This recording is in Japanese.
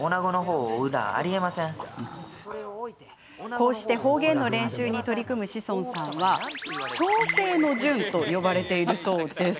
こうして方言の練習に取り組む志尊さんは調整の淳と呼ばれているそうです。